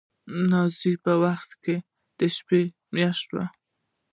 نازنين په دې وخت کې دشپږو مياشتو وه.